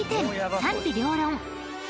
「賛否両論」］